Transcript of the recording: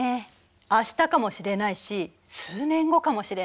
あしたかもしれないし数年後かもしれない。